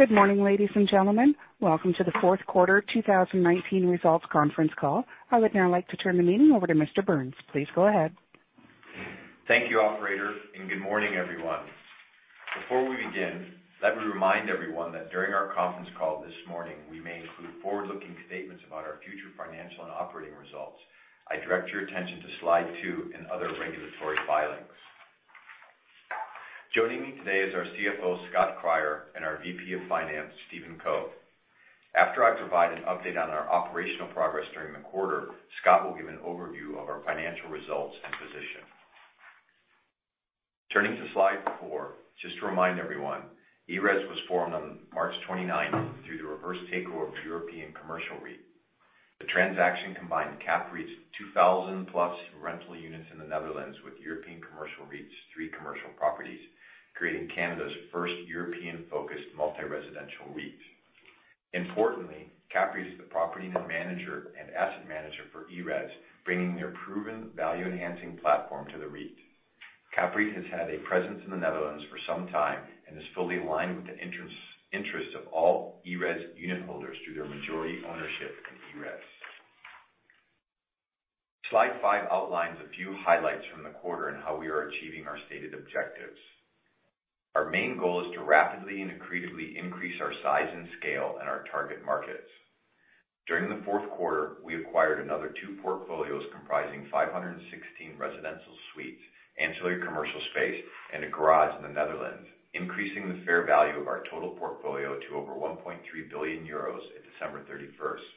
Good morning, ladies and gentlemen. Welcome to the fourth quarter 2019 results conference call. I would now like to turn the meeting over to Mr. Burns. Please go ahead. Thank you, operator, and good morning, everyone. Before we begin, let me remind everyone that during our conference call this morning, we may include forward-looking statements about our future financial and operating results. I direct your attention to slide two and other regulatory filings. Joining me today is our CFO, Scott Cryer, and our VP of Finance, Stephen Co. After I provide an update on our operational progress during the quarter, Scott will give an overview of our financial results and position. Turning to slide four, just to remind everyone, ERES was formed on March 29 through the reverse takeover of European Commercial REIT. The transaction combined CAPREIT's 2,000+ rental units in the Netherlands with European Commercial REIT's three commercial properties, creating Canada's first European-focused multi-residential REIT. Importantly, CAPREIT is the property manager and asset manager for ERES, bringing their proven value-enhancing platform to the REIT. CAPREIT has had a presence in the Netherlands for some time and is fully aligned with the interests of all ERES unit holders through their majority ownership of ERES. Slide five outlines a few highlights from the quarter and how we are achieving our stated objectives. Our main goal is to rapidly and accretively increase our size and scale in our target markets. During the fourth quarter, we acquired another two portfolios comprising 516 residential suites, ancillary commercial space, and a garage in the Netherlands, increasing the fair value of our total portfolio to over 1.3 billion euros at December 31st.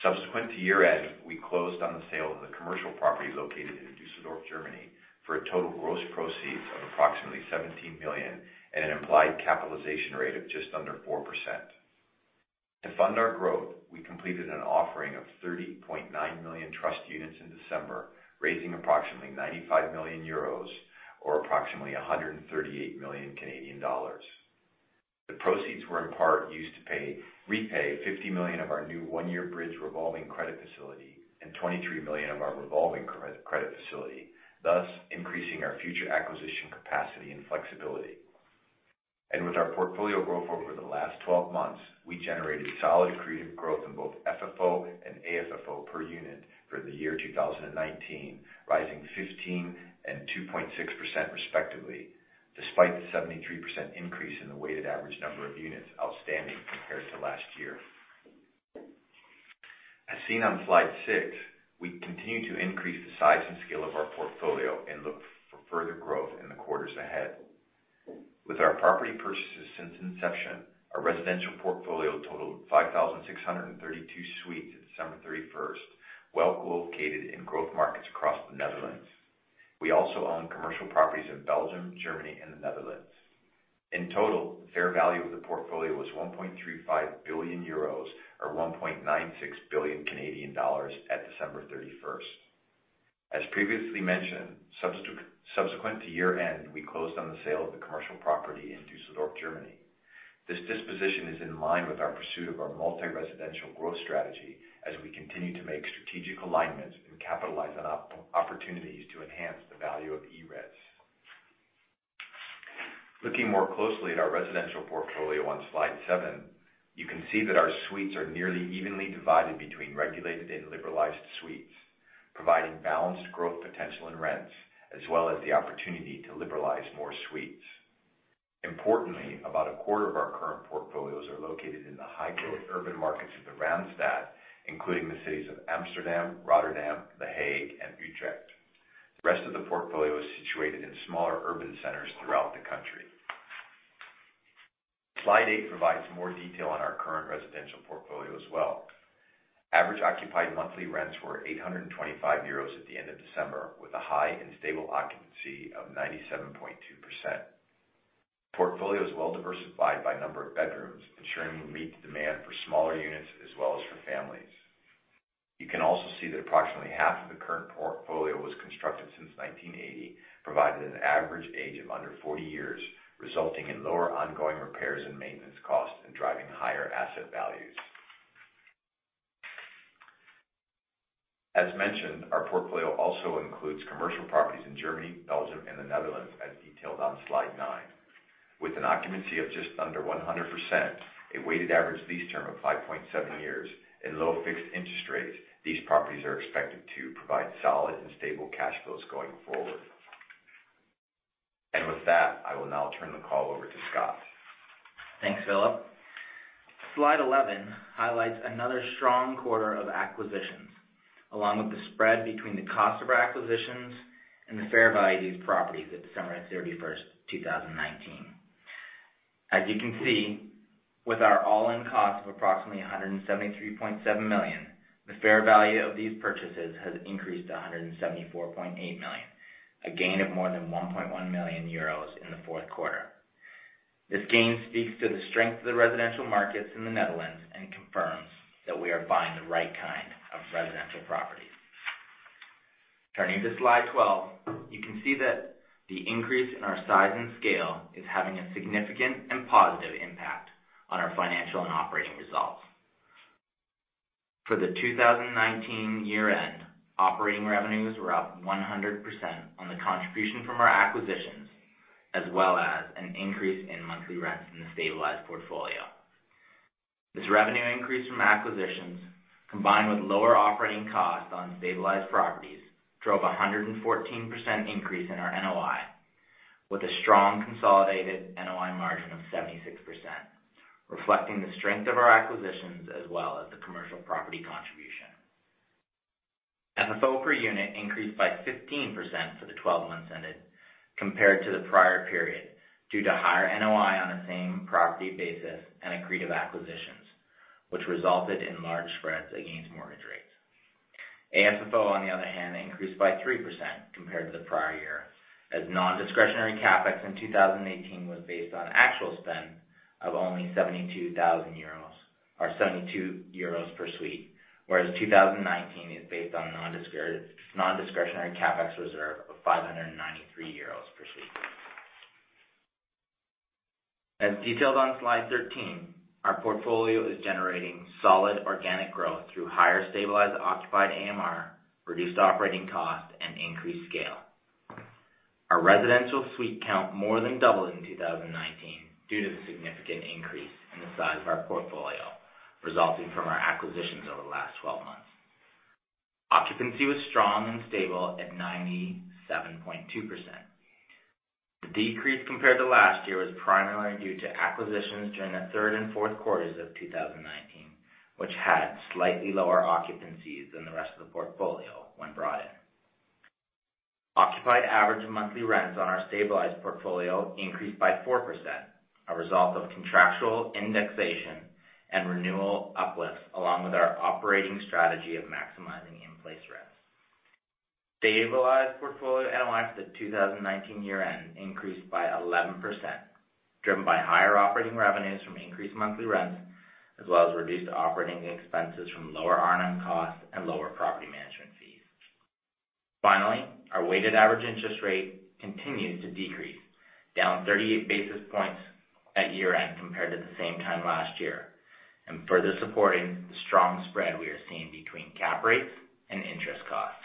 Subsequent to year-end, we closed on the sale of the commercial property located in Düsseldorf, Germany, for a total gross proceeds of approximately 17 million at an implied capitalization rate of just under 4%. To fund our growth, we completed an offering of 30.9 million trust units in December, raising approximately 95 million euros or approximately 138 million Canadian dollars. The proceeds were in part used to repay 50 million of our new one-year bridge revolving credit facility and 23 million of our revolving credit facility, thus increasing our future acquisition capacity and flexibility. With our portfolio growth over the last 12 months, we generated solid accretive growth in both FFO and AFFO per unit for the year 2019, rising 15% and 2.6% respectively, despite the 73% increase in the weighted average number of units outstanding compared to last year. As seen on slide six, we continue to increase the size and scale of our portfolio and look for further growth in the quarters ahead. With our property purchases since inception, our residential portfolio totaled 5,632 suites at December 31st, well located in growth markets across the Netherlands. We also own commercial properties in Belgium, Germany, and the Netherlands. In total, the fair value of the portfolio was 1.35 billion euros or 1.96 billion Canadian dollars at December 31st. As previously mentioned, subsequent to year-end, we closed on the sale of the commercial property in Düsseldorf, Germany. This disposition is in line with our pursuit of our multi-residential growth strategy as we continue to make strategic alignments and capitalize on opportunities to enhance the value of ERES. Looking more closely at our residential portfolio on slide seven, you can see that our suites are nearly evenly divided between regulated and liberalized suites, providing balanced growth potential and rents, as well as the opportunity to liberalize more suites. Importantly, about a quarter of our current portfolios are located in the high-growth urban markets of the Randstad, including the cities of Amsterdam, Rotterdam, The Hague, and Utrecht. The rest of the portfolio is situated in smaller urban centers throughout the country. Slide eight provides more detail on our current residential portfolio as well. Average occupied monthly rents were 825 euros at the end of December, with a high and stable occupancy of 97.2%. The portfolio is well-diversified by number of bedrooms, ensuring we meet the demand for smaller units as well as for families. You can also see that approximately half of the current portfolio was constructed since 1980, providing an average age of under 40 years, resulting in lower ongoing repairs and maintenance costs and driving higher asset values. As mentioned, our portfolio also includes commercial properties in Germany, Belgium, and the Netherlands, as detailed on slide nine. With an occupancy of just under 100%, a weighted average lease term of 5.7 years, and low fixed interest rates, these properties are expected to provide solid and stable cash flows going forward. With that, I will now turn the call over to Scott. Thanks, Phillip. Slide 11 highlights another strong quarter of acquisitions, along with the spread between the cost of our acquisitions and the fair value of these properties at December 31st, 2019. As you can see, with our all-in cost of approximately 173.7 million, the fair value of these purchases has increased to 174.8 million, a gain of more than 1.1 million euros in the fourth quarter. This gain speaks to the strength of the residential markets in the Netherlands and confirms that we are buying the right kind of residential properties. Turning to slide 12, you can see that the increase in our size and scale is having a significant and positive impact on our financial and operating results. For the 2019 year-end, operating revenues were up 100% on the contribution from our acquisitions, as well as an increase in monthly rents in the stabilized portfolio. This revenue increase from acquisitions, combined with lower operating costs on stabilized properties, drove 114% increase in our NOI, with a strong consolidated NOI margin of 76%, reflecting the strength of our acquisitions as well as the commercial property contribution. FFO per unit increased by 15% for the 12 months ended compared to the prior period, due to higher NOI on the same property basis and accretive acquisitions, which resulted in large spreads against mortgage rates. AFFO, on the other hand, increased by 2.6% compared to the prior year, as non-discretionary CapEx in 2018 was based on actual spend of only 72,000 euros or 72 euros per suite, whereas 2019 is based on non-discretionary CapEx reserve of 593 euros per suite. As detailed on slide 13, our portfolio is generating solid organic growth through higher stabilized occupied AMR, reduced operating costs, and increased scale. Our residential suite count more than doubled in 2019 due to the significant increase in the size of our portfolio resulting from our acquisitions over the last 12 months. Occupancy was strong and stable at 97.2%. The decrease compared to last year was primarily due to acquisitions during the third and fourth quarters of 2019, which had slightly lower occupancies than the rest of the portfolio when brought in. Occupied average monthly rents on our stabilized portfolio increased by 4%, a result of contractual indexation and renewal uplifts, along with our operating strategy of maximizing in-place rents. Stabilized portfolio NOI for the 2019 year-end increased by 11%, driven by higher operating revenues from increased monthly rents, as well as reduced operating expenses from lower R&M costs and lower property management fees. Finally, our weighted average interest rate continued to decrease, down 38 basis points at year-end compared to the same time last year, and further supporting the strong spread we are seeing between cap rates and interest costs.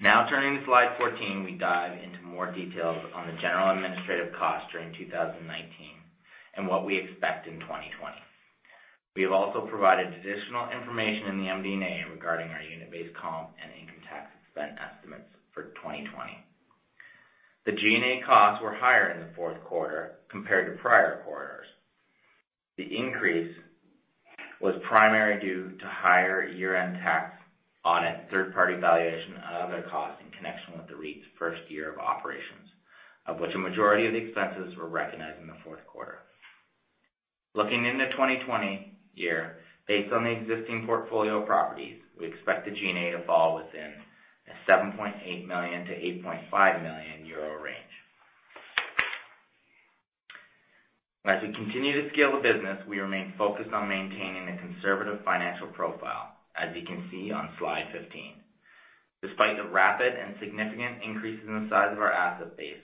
Now turning to slide 14, we dive into more details on the general administrative costs during 2019 and what we expect in 2020. We have also provided additional information in the MD&A regarding our unit-based comp and income tax spend estimates for 2020. The G&A costs were higher in the fourth quarter compared to prior quarters. The increase was primarily due to higher year-end tax audit, third-party valuation, and other costs in connection with the REIT's first year of operations, of which a majority of the expenses were recognized in the fourth quarter. Looking into 2020 year, based on the existing portfolio properties, we expect the G&A to fall within a 7.8 million-8.5 million euro range. As we continue to scale the business, we remain focused on maintaining a conservative financial profile, as you can see on slide 15. Despite the rapid and significant increases in the size of our asset base,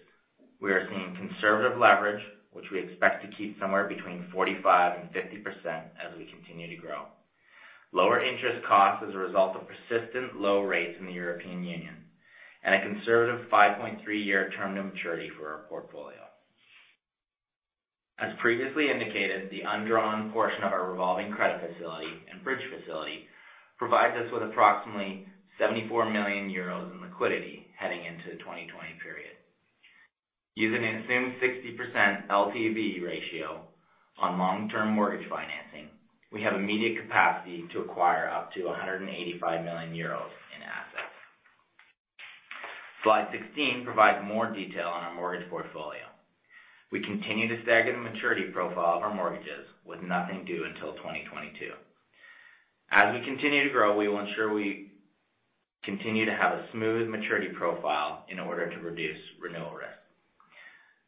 we are seeing conservative leverage, which we expect to keep somewhere between 45% and 50% as we continue to grow, lower interest costs as a result of persistent low rates in the European Union, and a conservative 5.3 year term to maturity for our portfolio. As previously indicated, the undrawn portion of our revolving credit facility and bridge facility provides us with approximately 74 million euros in liquidity heading into the 2020 period. Using an assumed 60% LTV ratio on long-term mortgage financing, we have immediate capacity to acquire up to 185 million euros in assets. Slide 16 provides more detail on our mortgage portfolio. We continue to stagger the maturity profile of our mortgages with nothing due until 2022. As we continue to grow, we will ensure we continue to have a smooth maturity profile in order to reduce renewal risk.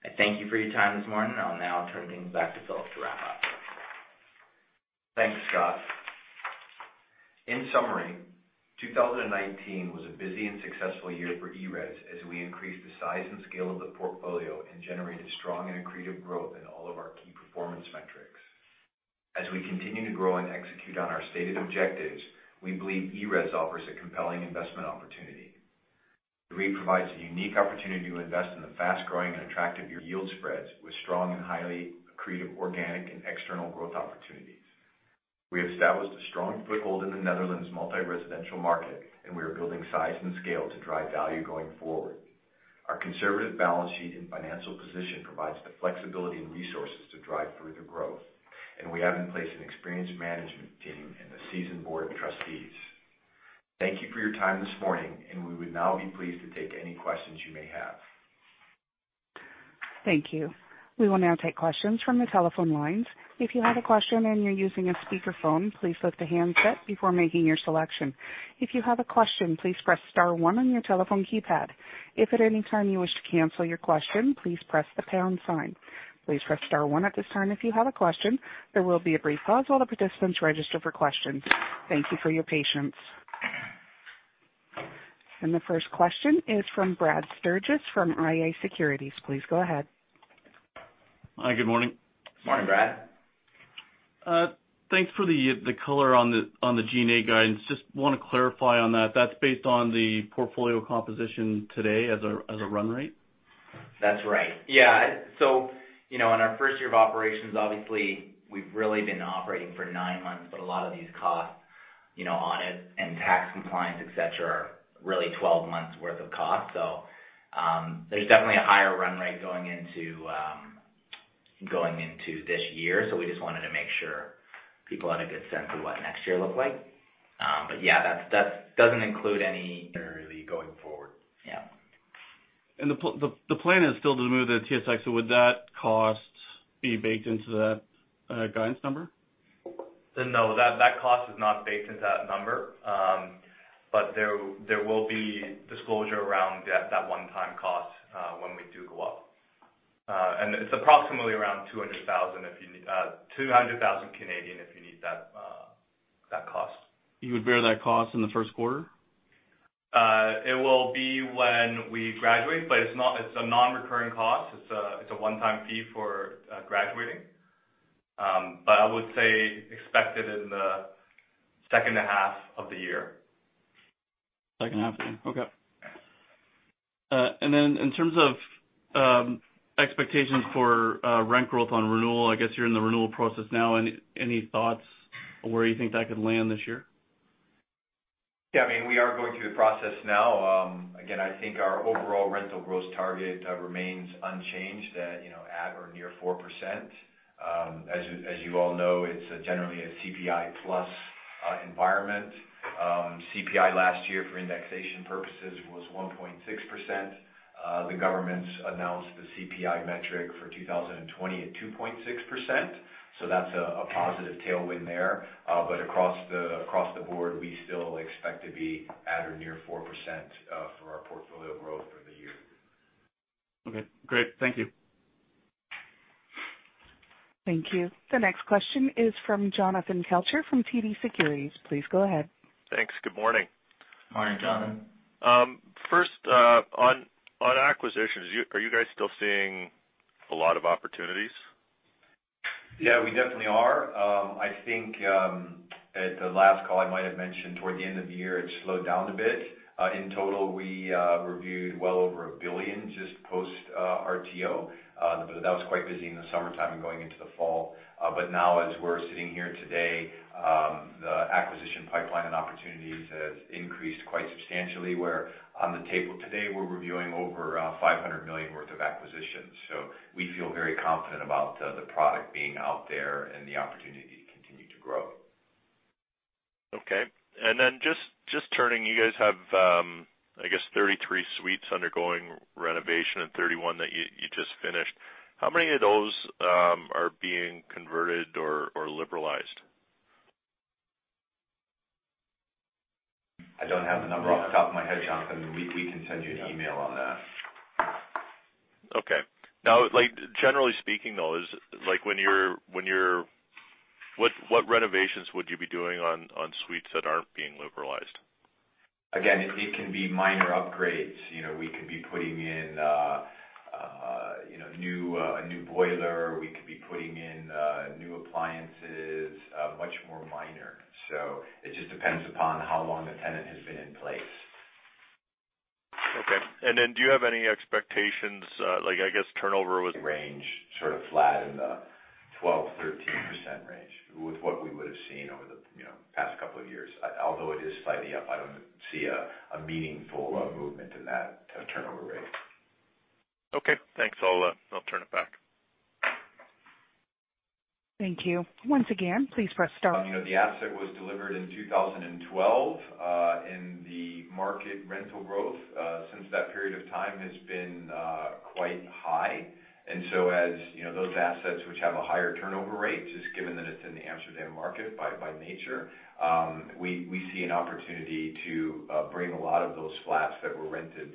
I thank you for your time this morning, and I'll now turn things back to Phillip to wrap up. Thanks, Scott. In summary, 2019 was a busy and successful year for ERES as we increased the size and scale of the portfolio and generated strong and accretive growth in all of our key performance metrics. As we continue to grow and execute on our stated objectives, we believe ERES offers a compelling investment opportunity. The REIT provides a unique opportunity to invest in the fast-growing and attractive yield spreads with strong and highly accretive organic and external growth opportunities. We established a strong foothold in the Netherlands multi-residential market, and we are building size and scale to drive value going forward. Our conservative balance sheet and financial position provides the flexibility and resources to drive further growth, and we have in place an experienced management team and a seasoned Board of trustees. Thank you for your time this morning, and we would now be pleased to take any questions you may have. Thank you. We will now take questions from the telephone lines. If you have a question and you're using a speakerphone, please lift the handset before making your selection. If you have a question, please press star one on your telephone keypad. If at any time you wish to cancel your question, please press the pound sign. Please press star one at this time if you have a question. There will be a brief pause while the participants register for questions. Thank you for your patience. The first question is from Brad Sturges from iA Securities. Please go ahead. Hi, good morning. Morning, Brad. Thanks for the color on the G&A guidance. Just want to clarify on that. That's based on the portfolio composition today as a run rate? That's right. Yeah. In our first year of operations, obviously, we've really been operating for nine months, but a lot of these costs, audit and tax compliance, et cetera, are really 12 months worth of costs. We just wanted to make sure people had a good sense of what next year looked like. Yeah, that doesn't include any really going forward. Yeah. The plan is still to move the TSX. Would that cost be baked into that guidance number? No, that cost is not baked into that number. There will be disclosure around that one-time cost, when we do go up. It's approximately around 200,000, if you need that cost. You would bear that cost in the first quarter? It will be when we graduate, but it's a non-recurring cost. It's a one-time fee for graduating. I would say expect it in the second half of the year. Second half, okay. In terms of expectations for rent growth on renewal, I guess you're in the renewal process now. Any thoughts on where you think that could land this year? We are going through the process now. Again, I think our overall rental growth target remains unchanged at or near 4%. As you all know, it's generally a CPI plus environment. CPI last year for indexation purposes was 1.6%. The government's announced the CPI metric for 2020 at 2.6%, so that's a positive tailwind there. Across the board, we still expect to be at or near 4% for our portfolio growth for the year. Okay, great. Thank you. Thank you. The next question is from Jonathan Kelcher from TD Securities. Please go ahead. Thanks. Good morning. Morning, Jonathan. First, on acquisitions, are you guys still seeing a lot of opportunities? Yeah, we definitely are. I think at the last call, I might have mentioned toward the end of the year, it slowed down a bit. In total, we reviewed well over 1 billion just post-RTO. That was quite busy in the summertime and going into the fall. Now as we're sitting here today, the acquisition pipeline and opportunities has increased quite substantially. Where on the table today, we're reviewing over 500 million worth of acquisitions. We feel very confident about the product being out there and the opportunity to continue to grow. Okay. Just turning, you guys have, I guess 33 suites undergoing renovation and 31 that you just finished. How many of those are being converted or liberalized? I don't have the number off the top of my head, Jonathan. We can send you an email on that. Generally speaking, though, what renovations would you be doing on suites that aren't being liberalized? It can be minor upgrades. We could be putting in a new boiler or we could be putting in new appliances, much more minor. It just depends upon how long the tenant has been in place. Okay. Do you have any expectations, like, I guess turnover? Range sort of flat in the 12%-13% range with what we would've seen over the past couple of years. Although it is slightly up, I don't see a meaningful movement in that turnover rate. Okay, thanks. I'll turn it back. Thank you. Once again, please press star- The asset was delivered in 2012. The market rental growth, since that period of time has been quite high, as those assets which have a higher turnover rate, just given that it's in the Amsterdam market by nature, we see an opportunity to bring a lot of those flats that were rented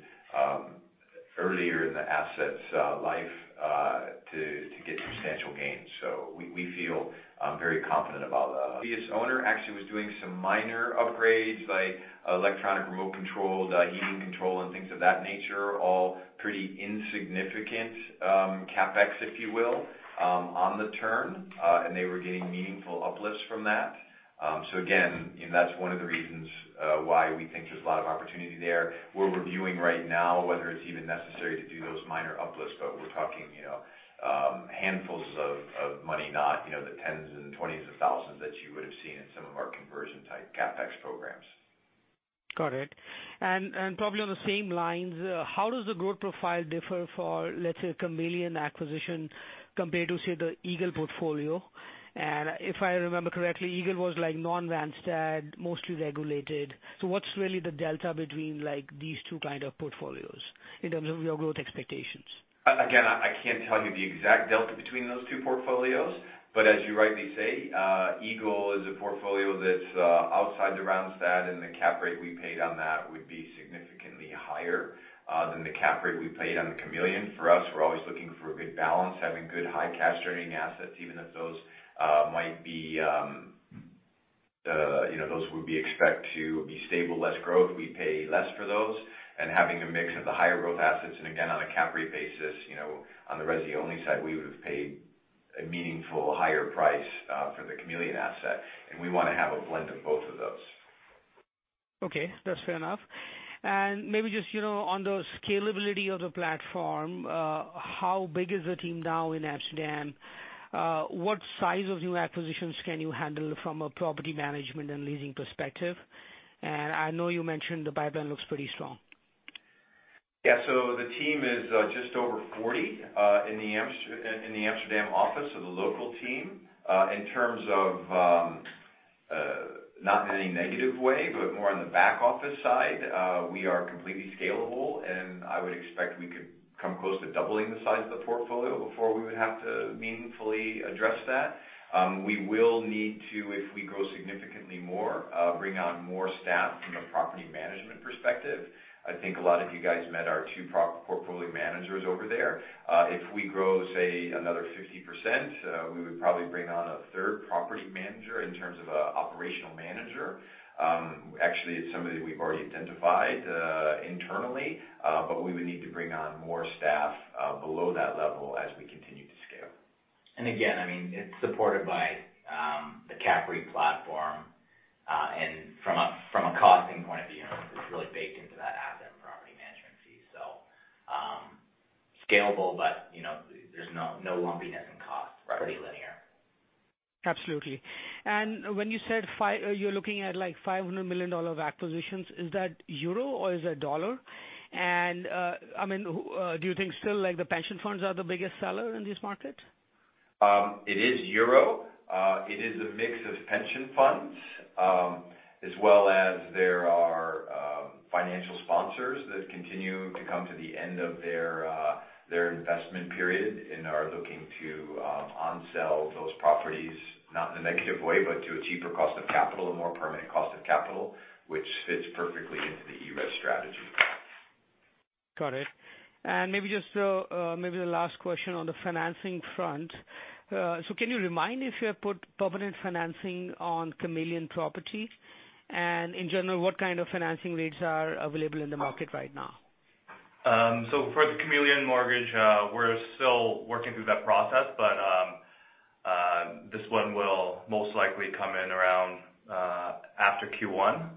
earlier in the asset's life to get substantial gains. We feel very confident about the previous owner actually was doing some minor upgrades, like electronic remote controlled heating control and things of that nature, all pretty insignificant CapEx, if you will, on the term. They were getting meaningful uplifts from that. Again, that's one of the reasons why we think there's a lot of opportunity there. We're reviewing right now whether it's even necessary to do those minor uplifts, but we're talking handfuls of money, not the 10s and 20s of thousands euro that you would've seen in some of our conversion-type CapEx programs. Got it. Probably on the same lines, how does the growth profile differ for, let's say, Kameleon acquisition compared to, say, the Eagle Portfolio? If I remember correctly, Eagle was non-Randstad, mostly regulated. What's really the delta between these two kinds of portfolios in terms of your growth expectations? Again, I can't tell you the exact delta between those two portfolios, but as you rightly say, Eagle is a portfolio that's outside the Randstad, and the cap rate we paid on that would be significantly higher than the cap rate we paid on the Kameleon. For us, we're always looking for a good balance, having good high cash-draining assets, even if those we expect to be stable, less growth, we pay less for those. Having a mix of the higher growth assets, and again, on a cap rate basis, on the resi-only side, we would've paid a meaningful higher price for the Kameleon asset, and we want to have a blend of both of those. Okay. That's fair enough. Maybe just on the scalability of the platform, how big is the team now in Amsterdam? What size of new acquisitions can you handle from a property management and leasing perspective? I know you mentioned the pipeline looks pretty strong. The team is just over 40 in the Amsterdam office, the local team. In terms of, not in any negative way, but more on the back office side, we are completely scalable, and I would expect we could come close to doubling the size of the portfolio before we would have to meaningfully address that. We will need to, if we grow significantly more, bring on more staff from a property management perspective. I think a lot of you guys met our two portfolio managers over there. If we grow, say, another 50%, we would probably bring on a third property manager in terms of an operational manager. Actually, it's somebody we've already identified internally. We would need to bring on more staff below that level as we continue to scale. Again, it's supported by the CAPREIT platform, and from a costing point of view, it's really baked into that asset and property management fee. Scalable, but there's no lumpiness in cost. Pretty linear. Absolutely. When you said you're looking at EUR 500 million of acquisitions, is that EUR or is that USD? Do you think still the pension funds are the biggest seller in this market? It is euro. It is a mix of pension funds, as well as there are financial sponsors that continue to come to the end of their investment period and are looking to onsell those properties, not in a negative way, but to a cheaper cost of capital, a more permanent cost of capital, which fits perfectly into the ERES strategy. Got it. Maybe the last question on the financing front. Can you remind if you have put permanent financing on Kameleon properties? In general, what kind of financing rates are available in the market right now? For the Kameleon mortgage, we're still working through that process, but this one will most likely come in around after Q1.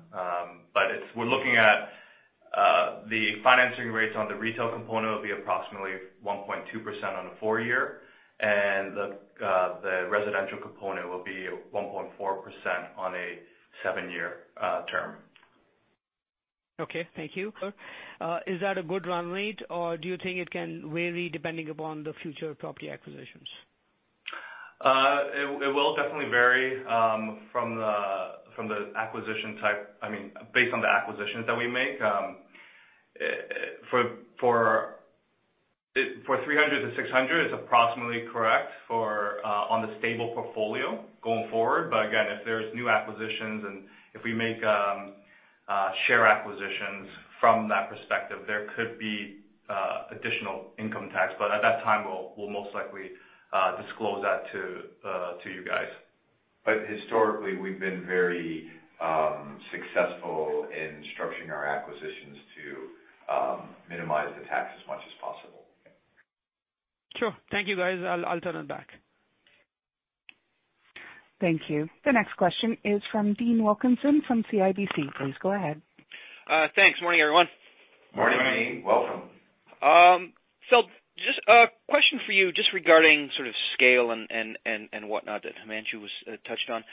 We're looking at the financing rates on the retail component will be approximately 1.2% on a four-year, and the residential component will be 1.4% on a seven-year term. Okay. Thank you. Is that a good run rate, or do you think it can vary depending upon the future property acquisitions? It will definitely vary from the acquisition type, based on the acquisitions that we make. For 300,000-600,000, it's approximately correct on the stable portfolio going forward. Again, if there's new acquisitions and if we make share acquisitions from that perspective, there could be additional income tax. At that time, we'll most likely disclose that to you guys. Historically, we've been very successful in structuring our acquisitions to minimize the tax as much as possible. Sure. Thank you, guys. I'll turn it back. Thank you. The next question is from Dean Wilkinson from CIBC. Please go ahead. Thanks. Morning, everyone. Morning. Morning. Welcome. Just a question for you just regarding sort of scale and whatnot that Himanshu touched on.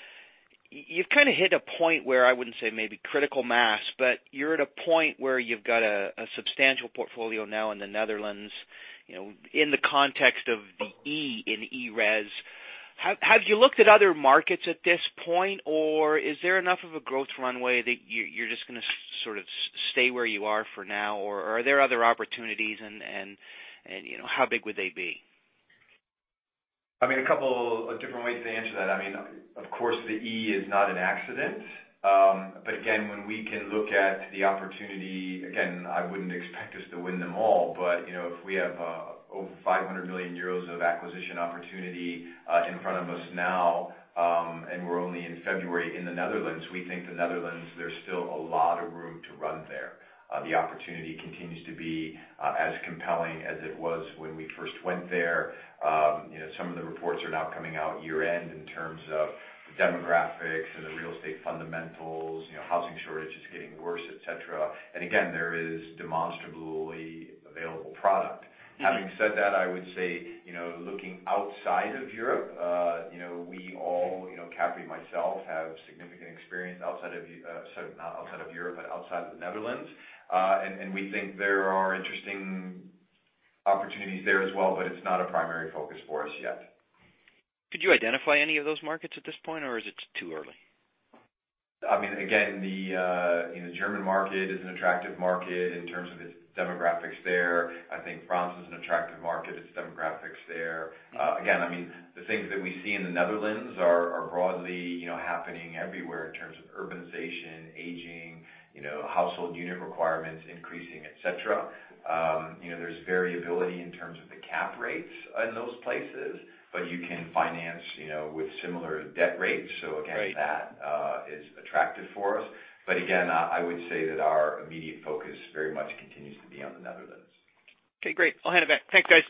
You've kind of hit a point where I wouldn't say maybe critical mass, but you're at a point where you've got a substantial portfolio now in the Netherlands. In the context of the E in ERES, have you looked at other markets at this point, or is there enough of a growth runway that you're just going to sort of stay where you are for now, or are there other opportunities, and how big would they be? A couple of different ways to answer that. Of course, the E is not an accident. Again, when we can look at the opportunity, again, I wouldn't expect us to win them all, but if we have over 500 million euros of acquisition opportunity in front of us now, and we're only in February in the Netherlands, we think the Netherlands, there's still a lot of room to run there. The opportunity continues to be as compelling as it was when we first went there. Some of the reports are now coming out year-end in terms of the demographics and the real estate fundamentals. Housing shortage is getting worse, et cetera. Again, there is demonstrably available product. Having said that, I would say, looking outside of Europe, we all, CAPREIT and myself, have significant experience outside of the Netherlands. We think there are interesting opportunities there as well, but it's not a primary focus for us yet. Could you identify any of those markets at this point, or is it too early? The German market is an attractive market in terms of its demographics there. I think France is an attractive market, its demographics there. The things that we see in the Netherlands are broadly happening everywhere in terms of urbanization, aging, household unit requirements increasing, et cetera. There's variability in terms of the cap rates in those places, but you can finance with similar debt rates. Right. Again, that is attractive for us. Again, I would say that our immediate focus very much continues to be on the Netherlands. Okay, great. I'll hand it back. Thanks, guys.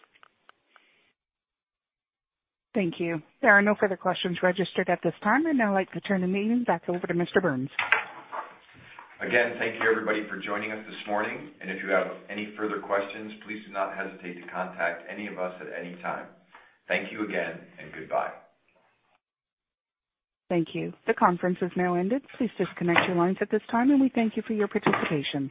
Thank you. There are no further questions registered at this time. I'd now like to turn the meeting back over to Mr. Burns. Again, thank you, everybody, for joining us this morning. If you have any further questions, please do not hesitate to contact any of us at any time. Thank you again, and goodbye. Thank you. The conference has now ended. Please disconnect your lines at this time, and we thank you for your participation.